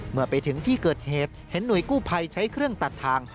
เมื่อไปถึงที่เกิดเหตุเห็นหน่วยกู้ภัยใช้เครื่องตัดทาง